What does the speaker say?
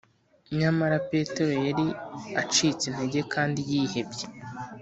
nyamara petero yari acitse intege kandi yihebye